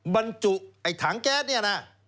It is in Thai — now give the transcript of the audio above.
บรรจุถังแก๊สนี่นะ